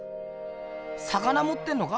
魚もってんのか？